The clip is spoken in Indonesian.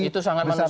itu sangat menarik